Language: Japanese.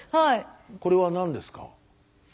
これは何ですか？